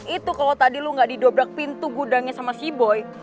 itu kalau tadi lu gak didobrak pintu gudangnya sama sea boy